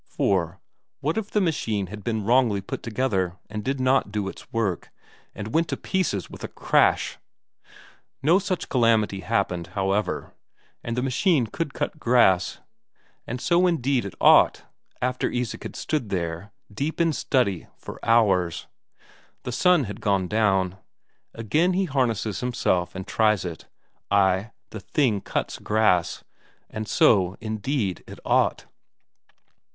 For what if the machine had been wrongly put together and did not do its work, but went to pieces with a crash! No such calamity happened, however; the machine could cut grass. And so indeed it ought, after Isak had stood there, deep in study, for hours. The sun had gone down. Again he harnesses himself and tries it; ay, the thing cuts grass. And so indeed it ought!